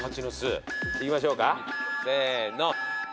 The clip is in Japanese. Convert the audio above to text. いきましょうかせーの。